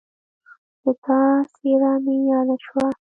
د تا څېره مې یاده شوه